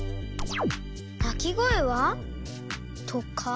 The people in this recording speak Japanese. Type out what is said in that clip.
「なきごえは？」とか？